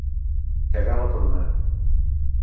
Cagar la pruna.